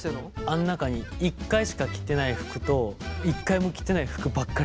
あん中に１回しか着てない服と１回も着てない服ばっかりなんだって。